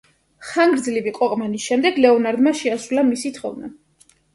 ხანგრძლივი ყოყმანის შემდეგ ლეონარდმა შეასრულა მისი თხოვნა.